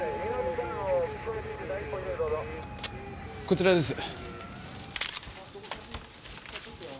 こちらです。